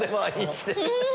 してる。